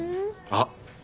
あっ。